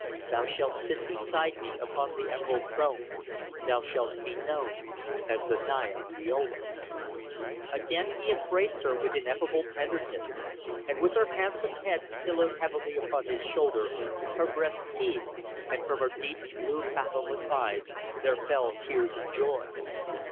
Thou shalt sit beside me upon the Emerald Throne; thou shalt be known as the Naya Liola." Again he embraced her with ineffable tenderness, and with her handsome head pillowed heavily upon his shoulder her breast heaved, and from her deep blue fathomless eyes there fell tears of joy.